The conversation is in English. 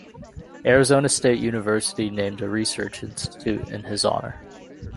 Arizona State University named a research institute in his honor.